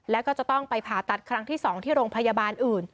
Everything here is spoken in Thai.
แล้วก็จะต้องไปผ่าตัดครั้งที่๒ที่โรงพยาบาลอื่น